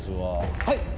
はい！